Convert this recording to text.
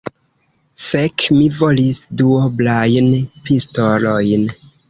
Fek! mi volis duoblajn pistolojn.